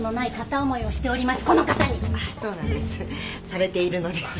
されているのです。